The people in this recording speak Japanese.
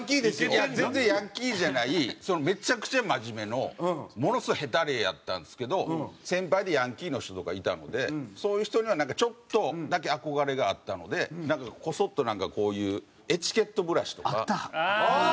いや全然ヤンキーじゃないめちゃくちゃ真面目のものすごいヘタレやったんですけど先輩でヤンキーの人とかいたのでそういう人にはちょっとだけ憧れがあったのでこそっとなんかこういうエチケットブラシとか。ああー！